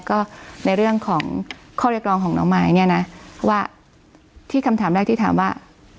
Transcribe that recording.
ก็ในเรื่องของข้อเรียกร้องของน้องมายเนี่ยนะว่าที่คำถามแรกที่ถามว่า